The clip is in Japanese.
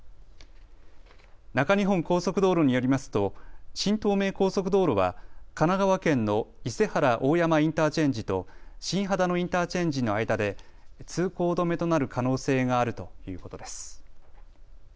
中日本高速道路によりますと新東名高速道路は神奈川県の伊勢原大山インターチェンジと新秦野インターチェンジの間で通行止めとなる可能性があるということです。